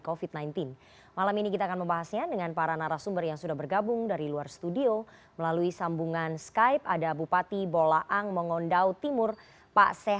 covid sembilan belas malam ini kita akan membahasnya dengan para narasumber yang sudah bergabung dari luar studio melalui sambungan skype ada bupati bolaang mengondau timur pak sehan salim lanjar saat malam pak sehan